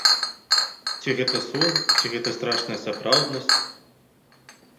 Ці гэта сон, ці гэта страшная сапраўднасць?!